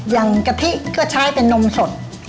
อย่างกะทิก็ใช้เป็นนมสด